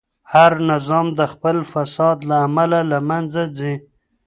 هر نظام د خپل فساد له امله له منځه ځي.